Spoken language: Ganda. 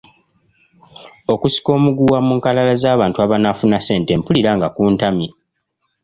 Okusika omuguwa ku nkalala z’abantu abanaafuna ssente mpulira nga kuntamye.